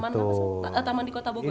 taman apa taman di kota bogor kang